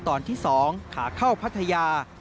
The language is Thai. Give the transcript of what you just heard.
ตอนที่๒ขาเข้าพัทยา